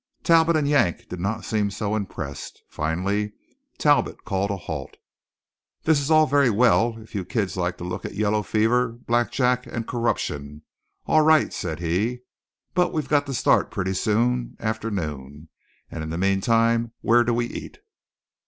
Talbot and Yank did not seem so impressed. Finally Talbot called a halt. "This is all very well; if you kids like to look at yellow fever, blackjack, and corruption, all right," said he. "But we've got to start pretty soon after noon, and in the meantime where do we eat?"